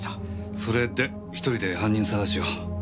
それで１人で犯人捜しを。